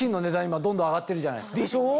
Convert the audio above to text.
今どんどん上がってるじゃないですか。